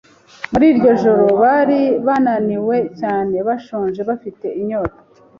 Muri iryo joro bari bananiwe cyane, bashonje, bafite inyota.